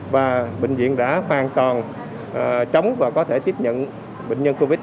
và bệnh viện đã hoàn toàn chống và có thể tiếp nhận bệnh nhân covid một